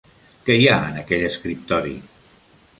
Què hi ha en aquell escriptori?